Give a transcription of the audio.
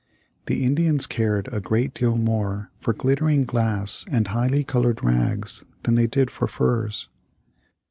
The Indians cared a great deal more for glittering glass and highly colored rags than they did for furs.